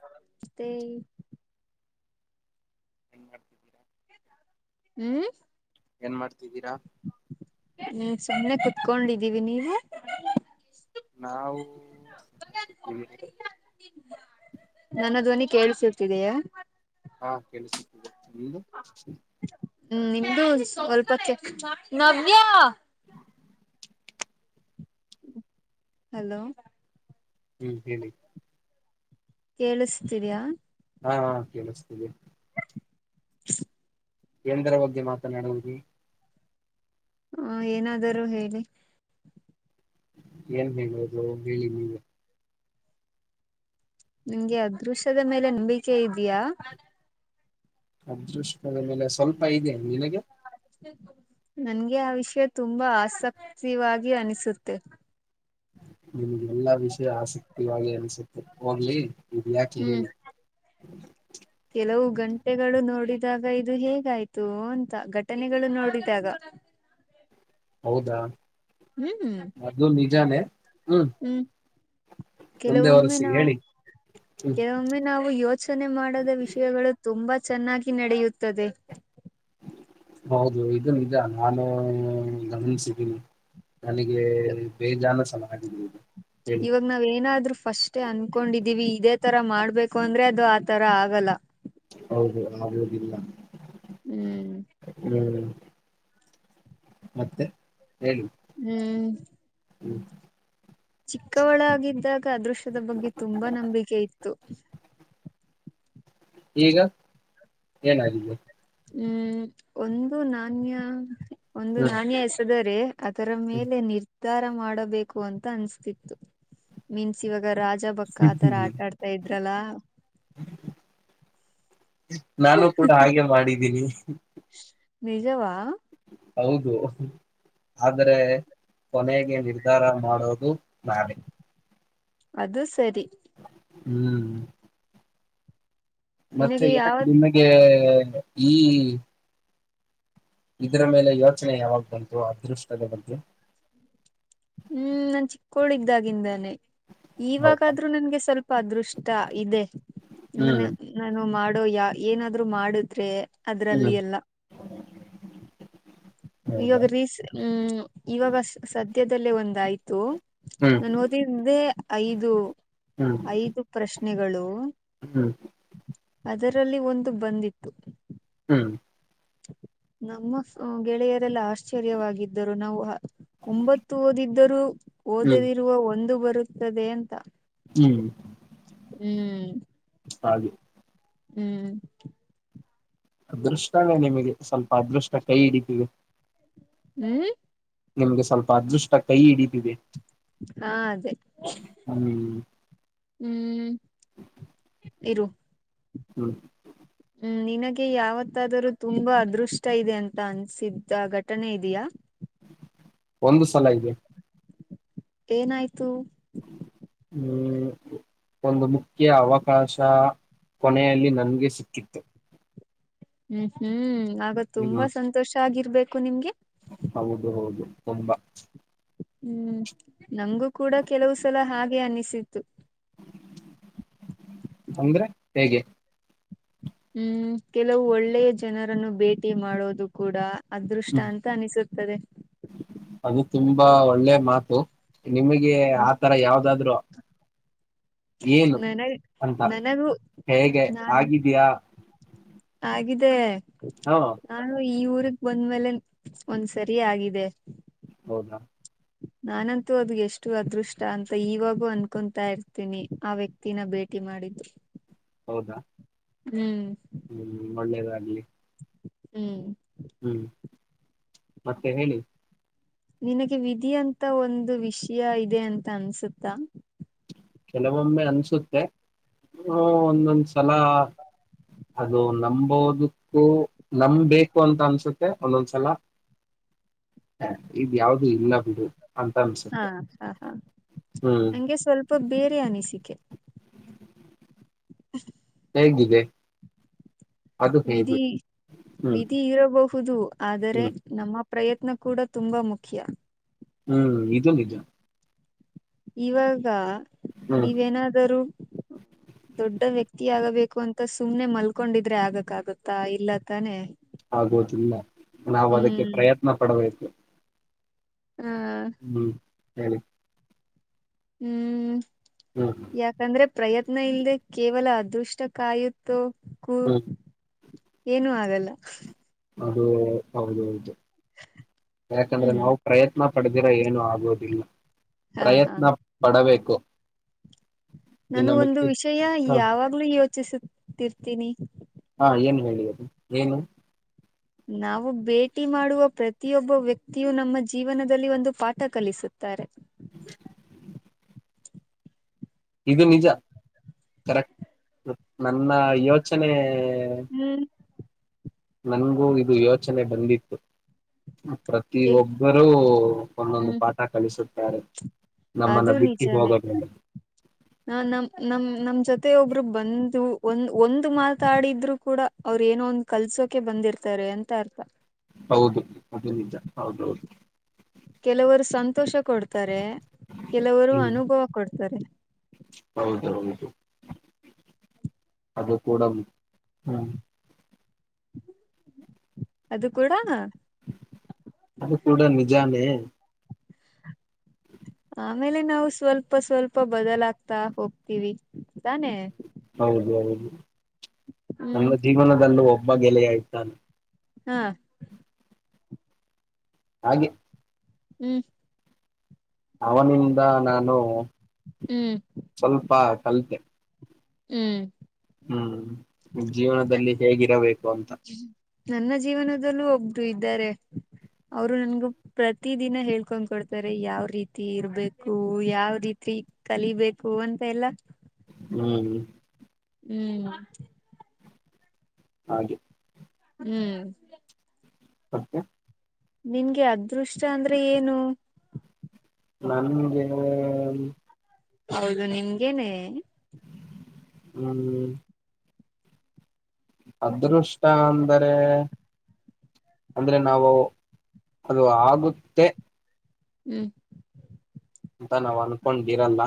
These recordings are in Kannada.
ನಮಸ್ತೆ ಹ [unintelligible] ಹ್ಮ್ ಏನ್ ಮಾಡಾತಿದ್ದೀರಾ ಸುಮ್ನೆ ಕುತ್ಕೊಂಡಿದ್ದೀವಿ ನೀವು ನಾವು ಸೀವಿ ನನ್ನ ಧ್ವನಿ ಕೇಳ್ಸಿರ್ತಿದಯಾ ಹಾ ಕೆಲ್ಸಗ ನಿಮು ಹ್ಮ್ ನಿಮ್ದು ಸ್ವಲ್ಪಕ್ಕೆ ನವ್ಯಾ ಹಲೋ ಹ್ಮ್ ಹೇಳಿ ಕೇಳಿಸತೀರಿಯಾ ಹಾ ಕೇಳಿಸ್ತೀದೆ [inaudible] ಎಂದರ ಬಗ್ಗೆ ಮಾತನಾಡುವಿ ಹ ಏನಾದರೂ ಹೇಳಿ ಏನ್ ಬದು ಹೇಳಿ ನೀಗ ನಿಂಗೆ ಅದೃಶ್ಯದ ಮೇಲೆ ನಂಬಿಕೆ ಇದಯಾ ಅದೃಷ್ಟದ ಮೇಲೆ ಸ್ವಲ್ಪ ಇದೆ ನಿನಗೆ ನನ್ಗೆ ಆ ವಿಷಯ ತುಂಬಾ ಆಸಕ್ತಿವಾಗಿ ಅನಿಸುತ್ತೆ ನಿಮಗೆ ಎಲ್ಲಾ ವಿಷಯ ಆಸಕ್ತಿಗಲಿ ಅನ್ಸುತ್ತೆ ಹೋಗ್ಲಿ ಇಕಿ ಹ್ಮ್ ಹೇಳಿ ಕೆಲವು ಗಂಟೆಗಳು ನೋಡಿದಾಗ ಇದು ಹೇಗಾಯ್ತು ಅಂತ ಘಟನೆಗಳು ನೋಡಿದಾಗ ಹೌದಾ ಹ್ಮ್ ಅದು ನಿಜಾನೇ ಹ್ಮ್ ಒಂದೇ ಕೆಲವೊಮ್ಮೆ ವರ್ಷಿ ನಾವು ಹೇಳಿ ಹ್ಮ್ ಕೆಲವೊಮ್ಮೆ ನಾವು ವು ಯೋಚನೆ ಮಾಡದ ವಿಷಯಗಳು ತುಂಬಾ ಚೆನ್ನಾಗಿ ನಡೆಯುತ್ತದೆ ಹೌದು ಇದನ್ ಇದ ನಾನು ಗಮನಿಸಿದ್ದೀನಿ ನನಗೆ ಬೇಜಾನ ಸಮಲ ಹಗಿಬಹದು ಇವಾಗ ನಾವ್ ಏನಾದ್ರು ಫಸ್ಟೇ ಅನ್ಕೊಂಡಿದ್ದೀವಿ ಇದೇ ಆ ತರ ಮಾಡ್ಬೇಕು ಅಂದ್ರೆ ಅದು ಆತರ ಆಗಲ್ಲ ಆಗುದಿಲ್ಲ ಹ್ಮ್ ಹ್ಮ್ ಮತ್ತೆ ಹೇಳಿ ಹ್ಮ್ ಹ್ಮ್ ಚಿಕ್ಕವಳಗಿದ್ದಾಗ ಅದೃಶ್ಯದ ಬಗ್ಗೆ ತುಂಬಾ ನಂಬಿಕೆ ಇತ್ತು ಈಗ ಏನಾಗಿದ್ದು ಹ್ಮ್ ಒಂದು ನಾಣ್ಯ ಒಂದು ಹ್ಮ್ ನಾಣ್ಯ ಎಸೆದರೆ ಅದರ ಮೇಲೆ ನಿರ್ಧಾರ ಮಾಡಬೇಕು ಅಂತ ಅನ್ಸ್ತಿತ್ತು ಮೀನ್ಸ್ ಇವಾಗ ರಾಜ ರಜ ಬಕ್ಕ ಆತರ ಹ್ಮ್ ಆಟಾಡ್ತಾ ಇದ್ರಲ್ಲ ನಾನು ಕೂಡ ಹಾಗೆ ಮಾಡಿದ್ದೀನಿ ನಿಜವಾ ಹೌದು ಆದರೆ ಕೊನೆಗೆ ನಿರ್ಧಾರ ಮಾಡೋದು ನಳೆ ಅದು ಸರಿ ಹ್ಮ್ ಮತ್ತೆ ನಿನಗೆ ಯಾಕೆ ಯಾವತ್ ನಿಮಗೆ ಈ ಇದರ ಮೇಲೆ ಯೋಚನೆ ಯಾವಾಗ ಬಂತು ಅದೃಷ್ಟದ ಬಗ್ಗೆ ಹ್ಮ್ ನಾನ್ ಚಿಕ್ಕೋಳ ಇದಾಗಿಿಂದಾನನೆ ಹೌದಾ ಇವಾಗಾದ್ರೂ ನನ್ಗೆ ಸ್ವಲ್ಪ ಅದೃಷ್ಟ ಇದೆ ಹ್ಮ್ ನನ್ನ ನಾನು ಮಾಡ ಯಾ ಏನಾದ್ರು ಮಾಡುದ್ರೆ ಅದ್ರಲ್ಲಿ ಹ್ಮ್ ಎಲ್ಲ ಹೌದಾ ಇವಾಗ ರೀಸ್ ಹ್ಮ್ ಇವಾಗ ಸದ್ಯದಲ್ಲೇ ಒಂದಾಯ್ತು ಹ್ಮ್ ನಾನು ಓತಿದ್ದೆ ಐದು ಹ್ಮ್ ಐದು ಪ್ರಶ್ನೆಗಳು ಹ್ಮ್ ಅದರಲ್ಲಿ ಒಂದು ಬಂದ್ಿತ್ತು ಹ [unintelligible] ನಮ್ಮ ಗೆಳೆಯರೆಲ್ಲ ಆಶ್ಚರ್ಯವಾಗಿದ್ದರು ನಾವು ಒಂಬತ್ತು ಓದಿದ್ದರೂ ಹ್ಮ್ ಓದದರುವ ಒಂದು ಬರುತ್ತದೆ ಅಂತ ಹ್ಮ್ ಹ್ಮ್ ಹಾಗೆ ಹ್ಮ್ ಅದೃಷ್ಟವೇ ನಿಮಗೆ ಸ್ವಲ್ಪ ಅದೃಷ್ಟ ಕೈ ಹಿಡಿತವಿ ಹ್ಮ್ ನಿಮ್ಗೆ ಸ್ವಲ್ಪ ಅದೃಷ್ಟ ಕೈ ಹಿಡಿದಿದೆ ಹಾ ಅದೇ ಹ್ಮ್ ಹ್ಮ್ [inaudible] ಇರು ಹ್ಮ ಹ್ಮ್ ನಿನಗೆ ಯಾವತ್ತಾದರೂ ತುಂಬಾ ಅದೃಷ್ಟ ಇದೆ ಅಂತ ಅನ್ಸಿದ್ದ ಘಟನೆ ಇದೆಯಾ ಒಂದು ಸಲ ಇದೆ ಏನಾಯ್ತು ಹ್ಮ್ ಒಂದು ಮುಖ್ಯ ಅವಕಾಶ ಕೊನೆಯಲ್ಲಿ ನನ್ಗೆ ಸಿಕ್ಕಿತ್ತು ಹ್ಮ್ ಹ್ಮ್ ಆಗ ತುಂಬಾ ಹ್ಮ್ ಸಂತೋಷ ಆಗಿರ್ಬೇಕು ನಿಮ್ಗೆ ಹೌದು ಹೌದು ತುಂಬಾ ಹ್ಮ್ ನಂಗಗೂ ಕೂಡ ಕೆಲವು ಸಲ ಹಾಗೆ ಅನಿಸಿತ್ತು ಅಂದ್ರೆ ಹೇಗೆ ಹ್ಮ್ ಕೆಲವು ಒಳ್ಳೆಯ ಜನರನ್ನು ಭೇಟಿ ಮಾಡೋದು ಕೂಡ ಅದೃಷ್ಟ ಹ್ಮ್ ಅಂತ ಅನಿಸುತ್ತದೆ ಅದು ತುಂಬಾ ಒಳ್ಳೆ ಮಾತು ನಿಮಗೆ ಆತರ ಯಾವ್ದಾದ್ರು ಏನು ನನಗ್ ಅಂತ ನನಗೂ ಹೇಗೆ ನಾನು ಆಗಿದಿಯಾ ಆಗಿದೆ ನಾನು ಈಊರು ಬಂದ್ಮೇಲೆ ಒಂದ್ ಸರಿ ಆಗಿದೆ ಹೌದಾ ನಾನಂತೂ ಅದ ಎಷ್ಟು ಅದೃಷ್ಟ ಅಂತ ಇವಾಗೂ ಅನ್ಕೊತಾ ಇರ್ತೀನಿ ಆ ವ್ಯಕ್ತಿನ ಭೇಟಿ ಮಾಡಿದ್ದ ಹೌದಾ ಹ್ಮ್ ಹ್ಮ್ ಒಳ್ಳೇದ ಅಗ್ಲ್ಲಿ ಹ್ಮ್ ಹ್ಮ್ ಮತ್ತೆ ಹೇಳಿ. ನಿನಗೆ ವಿಧಿ ಅಂತ ಒಂದು ವಿಷಯ ಇದೆ ಅಂತ ಅನ್ಸುತ್ತ. ಕೆಲವೊಮ್ಮೆ ಅನ್ಸುತ್ತೆ ಹ ಒಂದೊಂದ್ ಸಲ. ಅದು ನಂಬೋದಕ್ಕೂ ನಂಬೇಕು ಅಂತ ಅನ್ಸುತ್ತೆ ಒಂದೊಂದ್ಸಲ [inaudible] ಹ ಇ ಯಾವ್ದು ಇಲ್ಲ ಬಿಡು ಅಂತ ಹಾ ಅನ್ಸುತ್ತೆ ಹಾ ಹಾ ಹ್ಮ್ ನಂಗೆ ಸ್ವಲ್ಪ ಬೇರೆ ಅನಿಸಿಕೆ ಹ ಹೇಗಿದೆ ಅದು ಹೇಗೆ ವಿಧಿ ಹ್ಮ್ ವಿಧಿ ಇರಬಹುದು ಆದರೆ ಹ್ಮ್ ನಮ್ಮ ಪ್ರಯತ್ನ ಕೂಡ ತುಂಬಾ ಮುಖ್ಯ ಹ್ಮ್ ಇದು ನಿಜ ಇವಾಗ ಹ್ಮ್ ನೀವೇನಾದರೂ ದೊಡ್ಡ ವ್ಯಕ್ತಿ ಹಿಗೆ ಆಗಬೇಕು ಅಂತ ಸುಮ್ನೆ ಮಲ್ಕೊಂಡಿದ್ರೆ ಆಗಕ್ ಆಗತ್ತಾ ಇಲ್ಲತಾನೆ. ಆಗೋದಿಲ್ಲ ನಾವು ಅದಕ್ಕೆ ಪ್ರಯತ್ನ ಪಡಬೇಕು. ಹ ಹ್ಮ್ ಹೆಳಿ. ಹ್ಮ್ ಹ್ಮ್ ಯಾಕಂದ್ರೆ. ಪ್ರಯತ್ನ ಇಲ್ದೆ ಕೇವಲ ಅದೃಷ್ಟ ಕಾಯುತ್ತೋ ಕೂ ಹ್ಮ್ ಏನು ಆಗಲ್ಲ. ಅದು ಹೌದೌದು ಯಾಕಂದ್ರೆ ಹ್ಮ್ ನಾವು ಪ್ರಯತ್ನ [unintelligible] ಪಡೆದಿರ ಏನು ಆಗೋದಿಲ್ಲ ಹಾ ಹಾ ಪ್ರಯತ್ನ ಪಡಬೇಕು. ನಾನು ಇನ್ನ ಒಂದು ಮಿಕ್ಕಿ ವಿಷಯ ಹ ಯಾವಾಗ್ಲು ಯೋಚಿಸುತ್ತಿರ್ತೀನಿ. ಏನ್ ಹೇಳಿ ಅದು ಏನು. ನಾವು ಭೇಟಿ ಮಾಡುವ ಪ್ರತಿಯೊಬ್ಬ ವ್ಯಕ್ತಿಯು ನಮ್ಮ ಜೀವನದಲ್ಲಿ ಒಂದು ಪಾಠ ಕಲಿಸುತ್ತಾರೆ. [inaudible] ನಿಜ ಕರೆಕ್ಟ್ ನನ್ನ ಯೋಚನೆ. ಹ್ಮ್ ನನ್ಗೂ ಇದು ಯೋಚನೆ ಬಂದಿತ್ತು. ಕೆ ಪ್ರತಿಯೊಬ್ಬರೂ ಒಂದೊಂದು ಹ್ಮ್ ಪಾಠ ಕಲಿಸುತ್ತಾರೆ. ನಮ್ಮನ್ನ ಅದು ಬಿಟ್ಟಿ ನಿಜಾನೇ ಹೋದಮೇಲೆ. ನ ನಮ್ ನಮ್ ನಮ್ ಜೊತೆ ಒಬ್ರು ಬಂದು. ಒಂದ್ ಒಂದು ಮಾತಾಡಿದ್ರು ಕೂಡ ಅವ್ರು ಏನೋ ಒಂದ್ ಕಲ್ಸೋಕೆ ಬಂದಿರ್ತಾರೆ ಅಂತ ಅರ್ಥ. ಹೌದು ಅದು ನಿಜ. ಹೌದೌದು ಕೆಲವರು ಸಂತೋಷ [unintelligible] ಡ್ತಾರೆ ಕೆಲವರು ಹ್ಮ್ ಅನುಭವ ಕೊಡ್ತರೆ. [unintelligible] ಅದು ಕೂಡ [unintelligible] ಅದು ಕೂಡ. ಅದು ಕೂಡ ನಿಜಾನೇ. ಆಮೇಲೆ ನಾವು ಸ್ವಲ್ಪ ಸ್ವಲ್ಪ ಬದಲಾಗ್ತಾ ಹೋಗ್ತಿವಿ. ಹೌದು ಹೌದು ಹ್ಮ್ ನಮ್ಮ ಜೀವನದಲ್ಲೂ ಒಬ್ಬ ಎಲೆಯಯ್ತಾನ್. ಹಾ ಹಾಗೆ ಹ್ಮ್ ಅವನಿಂದ ನಾನು ಹ್ಮ್ ಸ್ವಲ್ಪ ಕಲತೆ. ಹ್ಮ್ ಹ್ಮ್ ಜೀವನದಲ್ಲಿ ಹೇಗಿರಬೇಕು ಅಂತ. ನನ್ನ ಜೀವನದಲ್ಲೂ ಒಬ್ರು ಇದ್ದಾರೆ. ಅವರು ನನ್ಗು ಪ್ರತಿ ದಿನ ಹೇಳ್ಕೊಂಡ್ ಕೊಡ್ತಾರೆ ಯಾವ್ ರೀತಿ ಇರ್ಬೇಕು ಯಾವ ರೀತಿ ಕಲಿಬೇಕು ಅಂತ ಎಲ್ಲಾ ಹ್ಮ್ ಹ್ಮ್ ಹಾಗೆ ಹ್ಮ್ [unintelligible] ನಿನ್ಗೆ ಅದೃಷ್ಟ ಅಂದ್ರೆ ಏನು. ನನ್ಗೆ ಹೌದು ನಿಮ್ಗೇನೆ. ಹ್ಮ್ ಅದೃಷ್ಟ ಅಂದರೆ. ಅಂದ್ರೆ ನಾವು ಅದು ಆಗುತ್ತೆ. ಹ್ಮ್ ಅಂತ ನಾವ್ ಅನ್ಕೊಂಡಿರಲ್ಲ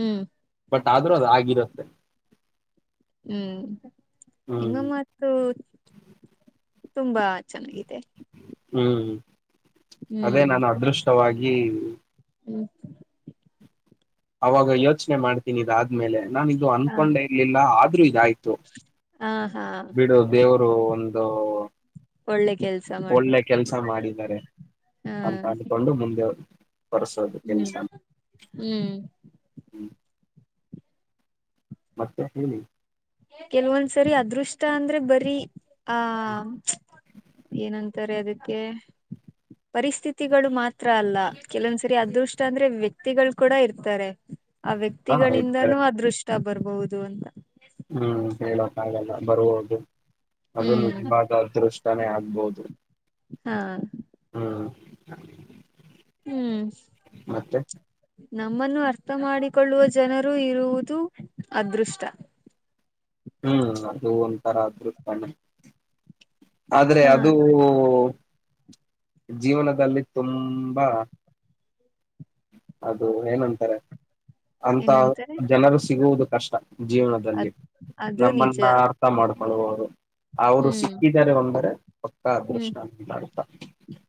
ಹ್ಮ್ ಬಟ್ ಆದ್ರೂ ಅದ ಆಗಿರುತ್ತೆ. ಹ್ಮ್ ನಿಮ್ಮ ಹ್ಮ್ ಮಾತು ತುಂಬಾ. ಚೆನ್ನಾಗಿದೆ ಹ್ಮ್ ಅದೇ ಹ್ಮ್ ನಾನು ಅದೃಷ್ಟವಾಗಿ ಹ್ಮ ಅವಾಗ ಯೋಚನೆ ಮಾಡ್ತೀನಿ ಇದಾದ್ಮೇಲೆ ನಾನು ಇದು ಹಾ ಅನ್ಕೊಂಡೆ ಇರ್ಲಿಲ್ಲ ಆದ್ರೂ ಇದ ಹಾ ಹಾ ಬಿಡು ದೇವರು ಒಂದು ಒಳ್ಳೆ ಕೆಲ್ಸ ಮಾಡುವ ಒಳ್ಳೆ ಕೆಲ್ಸ ಮಾಡಿದ್ದಾರೆ ಹ ಅಂತ ಅನ್ಕೊಂಡು ಮುಂದೆರು ಹೊಸವದ ಹ್ಮ್ ತಿನ್ಸಾನ ಹ್ಮ್ ಹ್ಮ್ ಮತ್ತೆ ಹೇಳಿ ಕೆಲ್ವೊಂದ್ಸರಿ ಅದೃಷ್ಟ ಅಂದ್ರೆ ಬರೀ ಆ ಏನಂತ ಅದಕ್ಕೆ ಪರಿಸ್ಥಿತಿಗಳು ಮಾತ್ರ ಅಲ್ಲ ಕೆಲವಂದ್ಸರಿ ಅದೃಷ್ಟ ಅಂದ್ರೆ ವ್ಯಕ್ತಿಗಳು ಕೂಡ ಇರ್ತಾರೆ ಆ ಹಾ ಇರ್ತಾರೆ ವ್ಯಕ್ತಿಗಳಿಂದನೂ ಅದೃಷ್ಟ ಬರ್ಬಹುದು ಅಂತ ಹ್ಮ್ ಹೇಳಕ್ಕಾಗಲ್ಲ ಬರುವುದು ಅದನ್ನು ಹ್ಮ್ ಇವಾಗ ಅದೃಷ್ಟ ತಾನೇ ಆಗ್ಬೋದು ರ ಹಾ ಹ್ಮ್ ಹ್ಮ್ ಮತ್ತೆ ನಮ್ಮನ್ನು ಅರ್ಥ ಮಾಡಿಕೊಳ್ಳುವ ಜನರು ಇರುವುದು ಅದೃಷ್ಟ ಹ್ಮ್ ಅದು ಒಂಥರ ಅದ್ ತಣ ಆದ್ರೆ ಹಾ ಅದು ಜೀವನದಲ್ಲಿ ತುಂಬಾ ಅದು ಏನ್ಂತಾರೆ ಅಂತ ಏನಂತಾರೆ ಜನರು ಸಿಗುವುದು ಕಷ್ಟ ಜೀವನದಲ್ಲಿ ಅದ್ ಅದು ನಿಜ ನಮ್ಮನ್ನ ಅರ್ಥ ಮಾಡ್ಕೊಳ್ಳುವವರು ಅವರು ಹ್ಮ್ ಸಿಕ್ಕಿದ್ದಾರೆ ಒಂದರೆ ಹ್ಮ್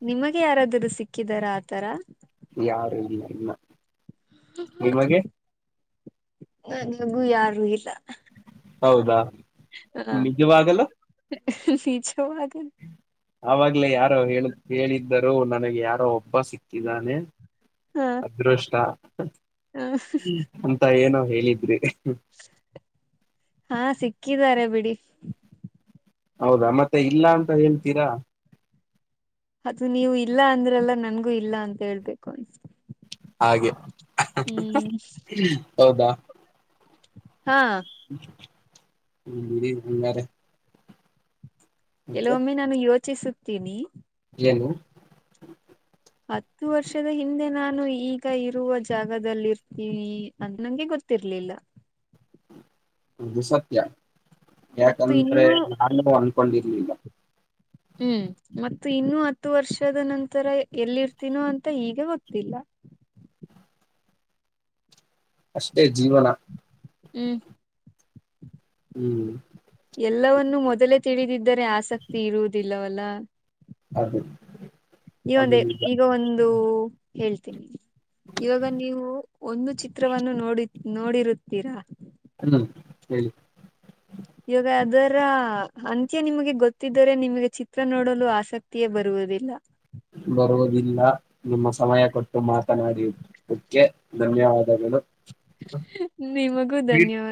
ನಿಮಗೆ ಯಾರಾದರುೂ ಸಿಕ್ಕಿದಾರ ಆತರ ಯಾರು ಇಲ್ಲ ಇಲ್ಲ ನಿಮಗೆ ನ ನಗೂ ಯಾರು ಇಲ್ಲ ಹೌದಾ ನಿಜವಾಗಲ್ಲ ನಿಜವಾಗ್ಲೂ ಆಗ್ಲೇ ಯಾರೋ ಹೇಳ ಹೇಳಿದ್ದರೂ ನನಗೆ ಯಾರೋ ಒಬ್ಬ ಸಿಕ್ಕಿದ್ದಾನೆ ಹ ಅದೃಷ್ಟ ಹ ಅಂತ ಏನೋ ಹೇಳಿದ್ರಿ ಹಾ ಸಿಕ್ಕಿದ್ದಾರೆ ಬಿಡಿ ಹೌದಾ ಮತ್ತೆ ಇಲ್ಲ ಅಂತ ಹೇಳ್ತೀರಾ ಅದು ನೀವು ಇಲ್ಲ ಅಂದ್ರೆಲ್ಲ ನನ್ಗೂ ಇಲ್ಲ ಅಂತ ಹೇಳ್ಬೇಕು ಅನ್ ಹಾಗೆ ಹ್ಮ್ ಹೌದಾ. ಹಾ ಹ್ಮ ಅರೆ. ಕೆಲವೊಮ್ಮೆ ನಾನು ಯೋಚಿಸುತ್ತೇನಿ. ಏನು. ಹತ್ತು ವರ್ಷದ ಹಿಂದೆ ನಾನು ಈಗ ಇರುವ ಜಾಗದಲ್ಲಿ ಇರ್ತೀನಿ ಅ ನಂಗೆ ಗೊತ್ತ ತಿರ್ಲಿಲ್ಲ ದು ಸತ್ಯ ಮತ್ತು ಯಾಕಂದ್ರೆ ಇನ್ನೂ ನಾನು ಅನ್ಕೊಂಡಿರ್ಲಿಲ್ಲ ಹ್ಮ್ ಮತ್ತ ಇನ್ನುೂ ಹತ್ತು ವರ್ಷದ ನಂತರ ಎಲ್ಲಿರ್ತೀನೋ ಅಂತ ಹೀಗ ಗೊತ್ತಿಲ್ಲ ಹ ಅಷ್ಟೇ ಜೀವನ ಹ್ಮ್ ಹ್ಮ್ ಎಲ್ಲವನ್ನೂ ಮೊದಲೇ ತಿಳಿದಿದ್ದರೆ ಆಸಕ್ತಿ ಇರುವುದಿಲ್ಲವಲ್ಲ ಅದು ಈ ಅದು ಒಂದು ನಿಜ ಈಗ ಒಂದು ಹೇಳ್ತೀನಿ ಇವಾಗ ನೀವು ಒಂದು ಚಿತ್ರವನ್ನು ನೋಡಿ ನೋಡಿರುತ್ತೀರಾ. ಹ- ಸರಿ ಇವಾಗ ಅದರ ಅಂತ್ಯ ನಿಮಗೆ ಗೊತ್ತಿದ್ದರೆ ನಿಮಗೆ ಚಿತ್ರ ನೋಡಲು ಆಸಕ್ತಿಯೇ ಬರುವುದಿಲ್ಲ. ಬರುವುದಿಲ್ಲ ನಿಮ್ಮ ಸಮಯ ಕೊಟ್ಟು ಮಾತನಾಡಕ್ಕೆ ಧನ್ಯವಾದಗಳು. ನಿಮಗೂ ಧನ್ಯವಾದ.